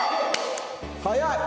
早い！